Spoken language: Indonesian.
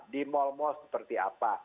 di mal mal seperti apa